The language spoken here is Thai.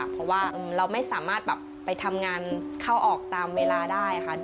เพราะว่าเราไม่สามารถแบบไปทำงานเข้าออกตามเวลาได้ค่ะ